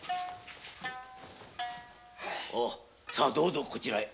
サどうぞこちらへ。